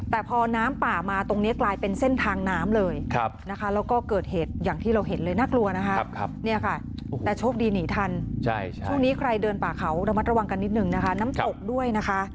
แต่พ้อน้ำป่ามาตรงเนี้ยกลายเป็นเส้นทางน้ำเลย